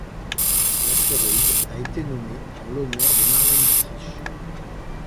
L'astéroïde a été nommé en l'honneur de Marlene Dietrich.